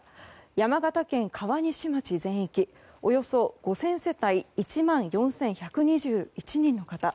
山形県川西町全域およそ５０００世帯１万４１２１人の方。